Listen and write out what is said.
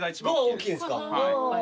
大きいんですか。